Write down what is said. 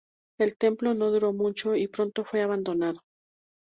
El templo no duró mucho y pronto fue abandonado.